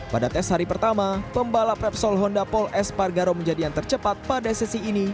pada tes hari pertama pembalap repsol honda paul s pargaro menjadi yang tercepat pada sesi ini